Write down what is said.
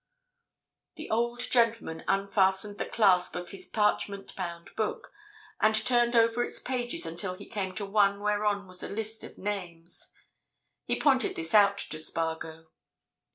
The old gentleman unfastened the clasp of his parchment bound book, and turned over its pages until he came to one whereon was a list of names. He pointed this out to Spargo.